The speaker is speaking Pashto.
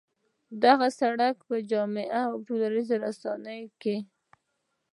دغه سړک چې په ټولیزه توګه